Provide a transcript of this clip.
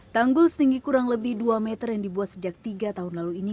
tanggul setinggi kurang lebih dua meter yang dibuat sejak tiga tahun lalu ini